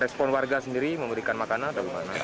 respon warga sendiri memberikan makanan atau bagaimana